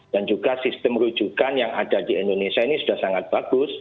dan juga sistem rujukan yang ada di indonesia ini sudah sangat bagus